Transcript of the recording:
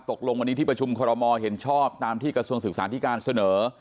ตกลงวันนี้ที่ประชุมคอรมอลเห็นชอบตามที่กระทรวงศึกษาธิการเสนอ